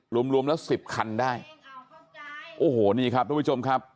รวมรวมแล้วสิบคันได้โอ้โหนี่ครับทุกผู้ชมครับ